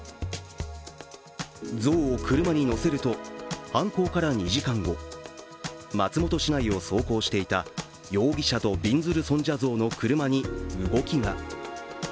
像を車に乗せると犯行から２時間後、松本市内を走行していた、容疑者とびんずる尊者像の車に動きが。